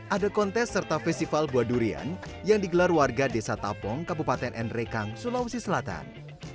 ada kontes serta festival buah durian yang digelar warga desa tapong kabupaten nrekang sulawesi selatan